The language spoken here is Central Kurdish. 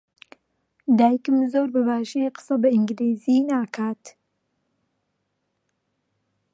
دایکم زۆر بەباشی قسە بە ئینگلیزی ناکات.